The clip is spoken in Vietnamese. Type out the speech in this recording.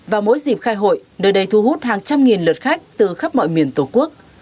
vào mỗi dịp khai hội nơi đây thu hút hàng trăm nghìn lượt khách từ khắp mọi miền tổ quốc